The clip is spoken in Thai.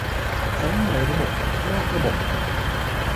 ทั้งในระบบนอกระบบ